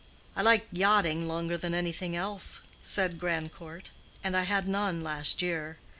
"I like yachting longer than anything else," said Grandcourt; "and I had none last year.